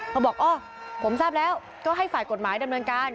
เขาบอกอ๋อผมทราบแล้วก็ให้ฝ่ายกฎหมายดำเนินการ